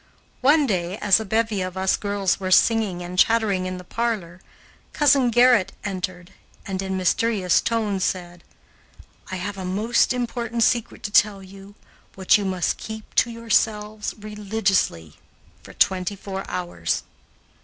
One day, as a bevy of us girls were singing and chattering in the parlor, Cousin Gerrit entered and, in mysterious tones, said: "I have a most important secret to tell you, which you must keep to yourselves religiously for twenty four hours."